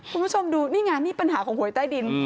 คุณผู้ชมดูนี่ไงนี่ปัญหาของหวยใต้ดิน